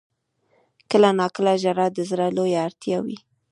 • کله ناکله ژړا د زړه لویه اړتیا وي.